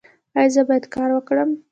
ایا زه باید کار وکړم؟